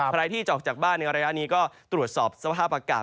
ใครที่จะออกจากบ้านในระยะนี้ก็ตรวจสอบสภาพอากาศ